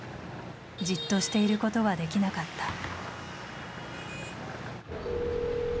じっとしていることはできなかった。